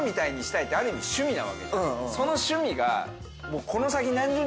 その趣味が。